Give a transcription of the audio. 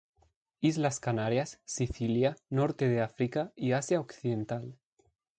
Islas Canarias, Sicilia, norte de África y Asia occidental.